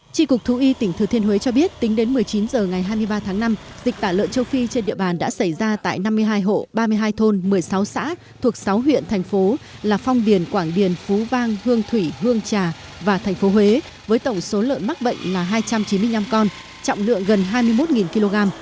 trị cục thú y tỉnh thừa thiên huế cho biết tính đến một mươi chín h ngày hai mươi ba tháng năm dịch tả lợn châu phi trên địa bàn đã xảy ra tại năm mươi hai hộ ba mươi hai thôn một mươi sáu xã thuộc sáu huyện thành phố là phong điền quảng điền phú vang hương thủy hương trà và thành phố huế với tổng số lợn mắc bệnh là hai trăm chín mươi năm con trọng lượng gần hai mươi một kg